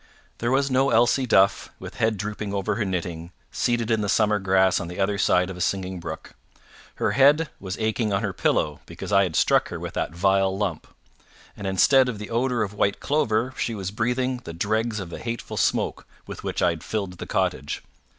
There was no Elsie Duff, with head drooping over her knitting, seated in the summer grass on the other side of a singing brook. Her head was aching on her pillow because I had struck her with that vile lump; and instead of the odour of white clover she was breathing the dregs of the hateful smoke with which I had filled the cottage.